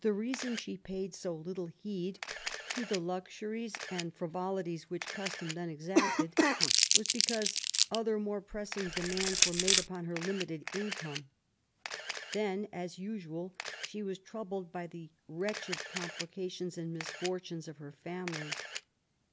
The reason she paid so little heed to the luxuries and frivolities which custom then exacted^ was because other more pressing demands were made upon her limited income. Then^ as usual^ she was troubled by the wretched complications and misfortunes of her family.